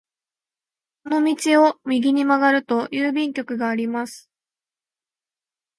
この道を右に曲がると郵便局があります。